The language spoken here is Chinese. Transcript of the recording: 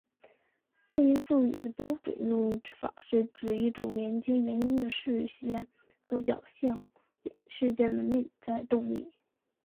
这一术语的标准用法是指一种连接原因事件和表象事件的内在动力。